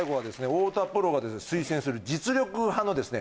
太田プロが推薦する実力派のですね